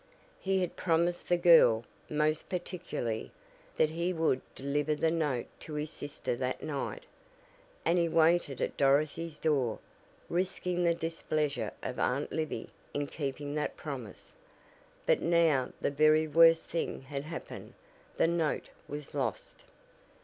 He had promised the girl, most particularly, that he would deliver the note to his sister that night, and he waited at Dorothy's door, risking the displeasure of Aunt Libby in keeping that promise. But now the very worst thing had happened the note was lost!